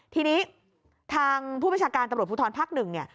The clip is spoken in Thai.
ทีนี้ทางผู้บัญชาการตำรวจภูทรภาคหนึ่งเนี่ย